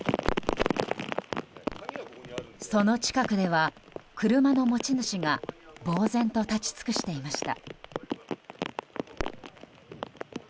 その近くでは車の持ち主がぼうぜんと立ち尽くしていました。